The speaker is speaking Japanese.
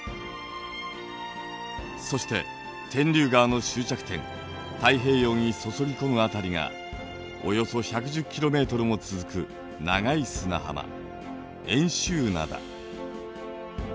そして天竜川の終着点太平洋に注ぎ込む辺りがおよそ１１０ｋｍも続く長い砂浜遠州灘。